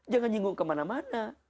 jangan nyinggung kemana mana